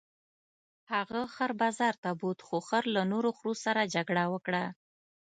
هغه خر بازار ته بوت خو خر له نورو خرو سره جګړه وکړه.